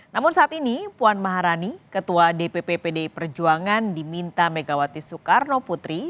namun saat ini puan maharani ketua dpp pdi perjuangan diminta megawati soekarno putri